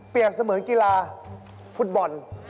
เปรียบเสมือนกีฬาฟุตบอล